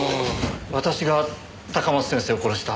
私が高松先生を殺した。